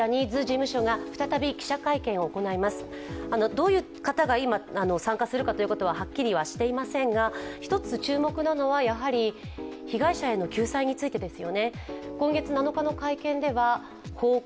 どういう方が参加するかということははっきりはしていませんが一つ注目なのはやはり、被害者への救済についてです。